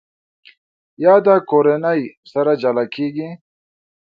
یاده کورنۍ سره جلا کېږي.